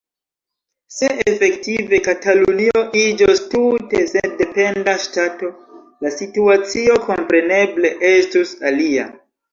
Se efektive Katalunio iĝos tute sendependa ŝtato, la situacio kompreneble estus alia.